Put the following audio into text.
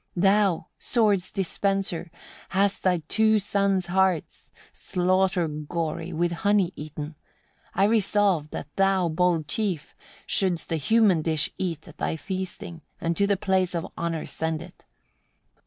36. "Thou, swords' dispenser! hast thy two sons' hearts, slaughter gory, with honey eaten. I resolved that thou, bold chief! shouldst of a human dish eat at thy feasting, and to the place of honour send it.